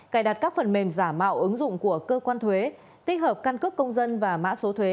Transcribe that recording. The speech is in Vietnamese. cài đặt các phần mềm giả mạo ứng dụng của cơ quan thuế tích hợp căn cước công dân và mã số thuế